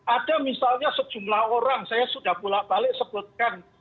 ada misalnya sejumlah orang saya sudah pulak balik sebutkan